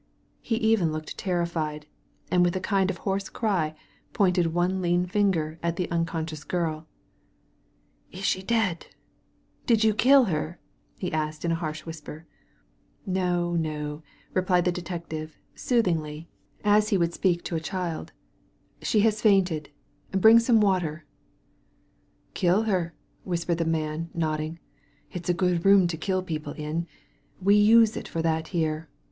He even looked terrified, and with a kind of hoarse cry, pointed one lean finger at the unconscious girl '< Is she dead ? Did you kill her ?" he asked in a harsh whisper. " No I No 1 1 " replied the detective, soothingly, as Digitized by by Google no THE LADY FROM NOWHERE he would speak to a child, she has fainted Bring some water/' •Kill her I" whispered the man, nodding; •'ifs a good room to kill people in; we use it for that here.